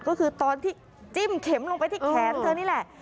ก็คือตอนที่จิ้มเข็มลงไปที่แขนเธอนี่แหละ